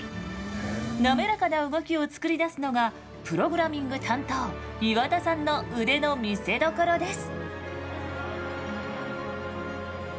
滑らかな動きを作り出すのがプログラミング担当岩田さんの腕の見せどころです。